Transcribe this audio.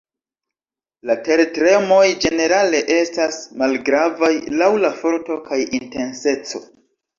La tertremoj ĝenerale estas malgravaj laŭ la forto kaj intenseco.